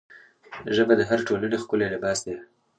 ژبه د هرې ټولنې ښکلی لباس دی